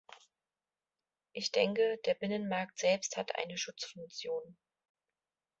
Ich denke, der Binnenmarkt selbst hat eine Schutzfunktion.